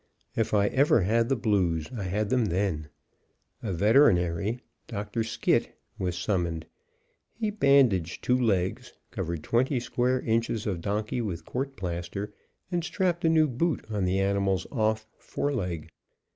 If I ever had the blues, I had them then. A veterinary, Dr. Skitt, was summoned; he bandaged two legs, covered twenty square inches of donkey with court plaster, and strapped a new boot on the animal's off fore leg.